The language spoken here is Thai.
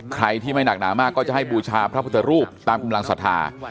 ใครที่ไม่หนักหนามากก็จะให้บูชาพระพุทธรูปตามกำลังศรัทธา